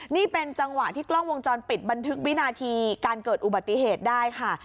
นี่เป็นจังหวะที่กล้องวงจรปิดบันทึกวินาทีการเกิดอุบัติเหตุได้ค่ะ